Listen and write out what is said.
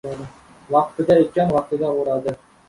• Vaqtida ekkan vaqtida o‘radi.